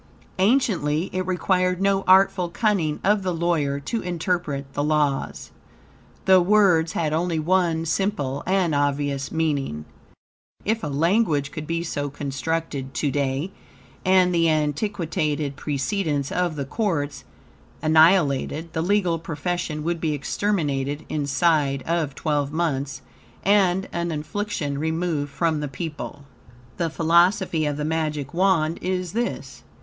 Anciently, it required no artful cunning of the lawyer to interpret the laws. The words had only one simple and obvious meaning. If a language could be so constructed to day, and the antiquated precedents of the courts annihilated; the legal profession would be exterminated inside of twelve months, and an affliction removed from the people. The philosophy of the Magic Wand is this.